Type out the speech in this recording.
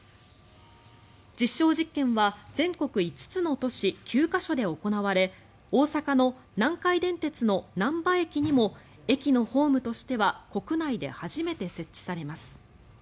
実証実験は全国５つの都市９か所で行われ大阪の南海電鉄のなんば駅にも駅のホームとしては国内で初めて設置されます。